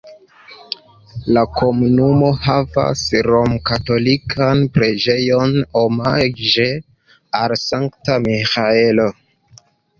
La komunumo havas romkatolikan preĝejon omaĝe al Sankta Miĥaelo.